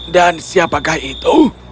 dan siapakah itu